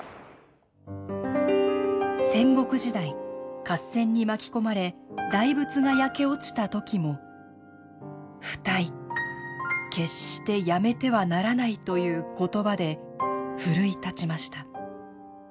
戦国時代合戦に巻き込まれ大仏が焼け落ちた時も不退決してやめてはならないという言葉で奮い立ちました。